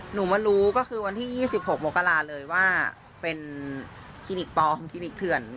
หนูมารู้ก็คือวันที่๒๖มกราเลยว่าเป็นคลินิกปลอมคลินิกเถื่อน